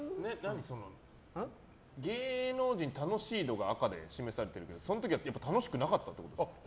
芸能人楽しいのが赤で示されてるけどその時は楽しくなかったってことですか？